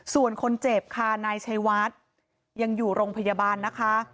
ส่วนคนเจ็บค่ะนายชัยวัดยังอยู่โรงพยาบาลนะคะ